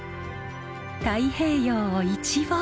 太平洋を一望。